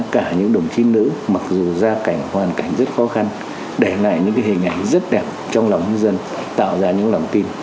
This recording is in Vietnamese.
cả những đồng chí nữ mặc dù ra cảnh hoàn cảnh rất khó khăn để lại những hình ảnh rất đẹp trong lòng nhân dân tạo ra những lòng tin